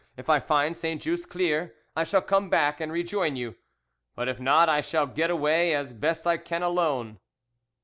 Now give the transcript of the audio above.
If I find Saint Just clear, I shall come back and rejoin you, but if not I shall get away as best I can alone.